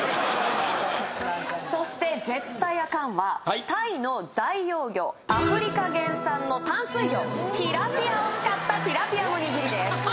そして絶対アカンはアフリカ原産の淡水魚ティラピアを使ったティラピアの握りですははは